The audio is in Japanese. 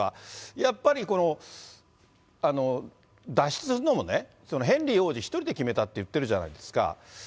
やっぱりこの脱出するのもね、ヘンリー王子１人で決めたって言ってるじゃないですか。